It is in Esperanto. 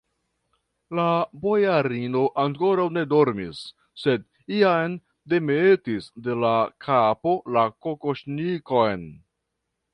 La bojarino ankoraŭ ne dormis, sed jam demetis de l' kapo la kokoŝnikon.